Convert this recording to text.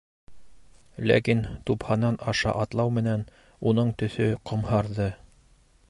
Ләкин тупһанан аша атлау менән уның төҫө ҡомһарҙы.